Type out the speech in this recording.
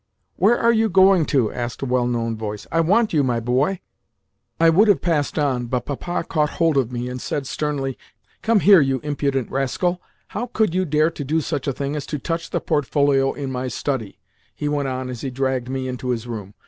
"Where are you going to?" asked a well known voice. "I want you, my boy." I would have passed on, but Papa caught hold of me, and said sternly: "Come here, you impudent rascal. How could you dare to do such a thing as to touch the portfolio in my study?" he went on as he dragged me into his room.